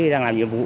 đang làm nhiệm vụ